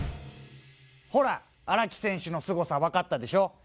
ほら荒木選手のすごさわかったでしょ？